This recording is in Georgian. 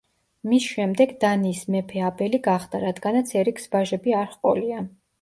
მის შემდეგ დანიის მეფე აბელი გახდა, რადგანაც ერიკს ვაჟები არ ჰყოლია.